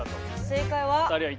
正解は！